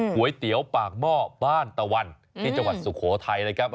ก๋วยเตี๋ยวปากหม้อบ้านตะวันที่จังหวัดสุโขทัยนะครับ